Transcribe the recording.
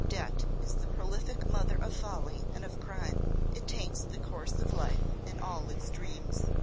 Debt is the prolific mother of folly and of crime; it taints the course of life in all its dreams.